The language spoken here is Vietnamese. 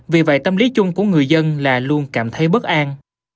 vì vậy tâm lý chung của người dân là luôn cảm thấy bất an